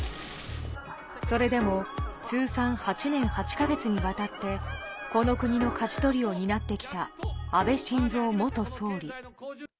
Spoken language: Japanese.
それでも通算８年８か月にわたって、この国のかじ取りを担ってきた安倍晋三元総理。